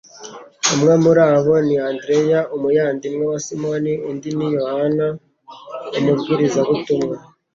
Umwe muri bo ni Andreya umuyandimwe wa Simoni; undi ni Yohana umubwirizabutumwa.